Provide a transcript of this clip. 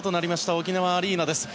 沖縄アリーナです。